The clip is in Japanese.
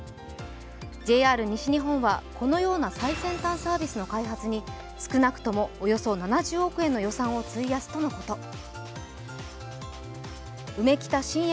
ＪＲ西日本はこのような最先端サービスの開発に少なくともおよそ７０億円の予算を費やすとのこと。